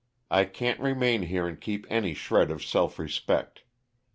I can't remain here and keep any shred of self respect.